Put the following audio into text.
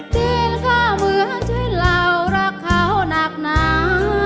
ดินข้าเหมือนชื่นเหล่ารักเขานักหนา